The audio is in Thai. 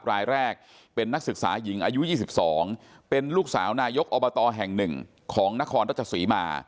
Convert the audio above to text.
รายแรกเป็นนักศึกษาหญิงอายุ๒๒เป็นลูกสาวนายกอบตแห่ง๑ของนครรัชศรีมา